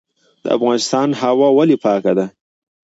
د افغانستان هوا ولې پاکه ده؟